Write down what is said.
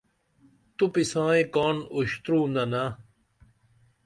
تُپی سائیں کاڻ اُشتروننہ